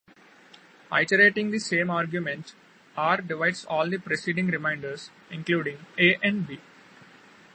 Iterating the same argument, "r" divides all the preceding remainders, including "a" and "b".